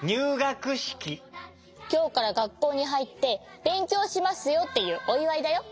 きょうからがっこうにはいってべんきょうしますよっていうおいわいだよ。